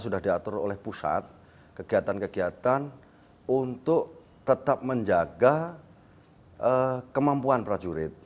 sudah diatur oleh pusat kegiatan kegiatan untuk tetap menjaga kemampuan prajurit